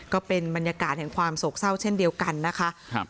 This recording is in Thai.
ก็เป็นบรรยากาศแห่งความโศกเศร้าเช่นเดียวกันนะคะครับ